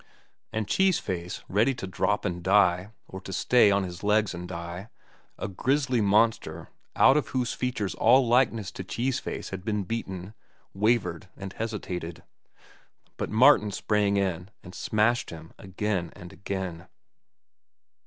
And Cheese Face, ready to drop and die, or to stay on his legs and die, a grisly monster out of whose features all likeness to Cheese Face had been beaten, wavered and hesitated; but Martin sprang in and smashed him again and again.